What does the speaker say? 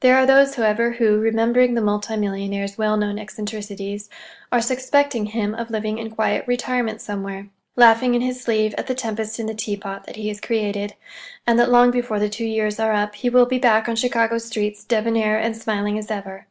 There are those, however, who, remembering the multi millionaire's well known eccentricities, are suspecting him of living in quiet retirement somewhere, laughing in his sleeve at the tempest in the teapot that he has created; and that long before the two years are up, he will be back on Chicago's streets, debonair and smiling as ever.